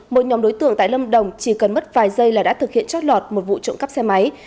một nhóm đối tượng tại lâm đồng chỉ cần mất vài giây là đã thực hiện trót lọt một vụ trộm cắp xe máy